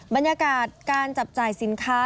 บรรยากาศการจับจ่ายสินค้า